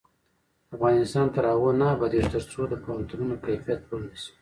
افغانستان تر هغو نه ابادیږي، ترڅو د پوهنتونونو کیفیت لوړ نشي.